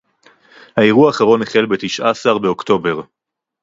האירוע האחרון החל בתשעה עשר באוקטובר